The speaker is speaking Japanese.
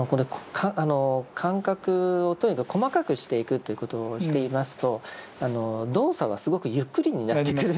感覚をとにかく細かくしていくということをしていますと動作はすごくゆっくりになってくるんですけど。